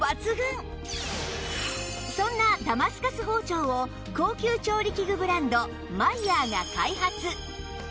そんなダマスカス包丁を高級調理器具ブランドマイヤーが開発